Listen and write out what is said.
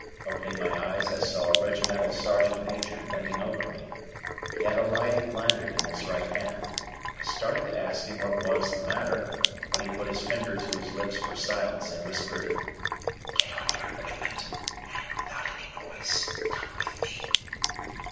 Opening my eyes I saw a Regimental Sergeant Major bending over me. He had a lighted lantern in his right hand. I started to ask him what was the matter, when he put his finger to his lips for silence and whispered: "Get on your equipment, and, without any noise, come with me."